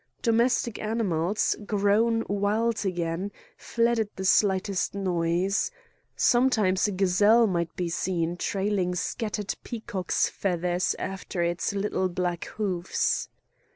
Domestic animals, grown wild again, fled at the slightest noise. Sometimes a gazelle might be seen trailing scattered peacocks' feathers after its little black hoofs.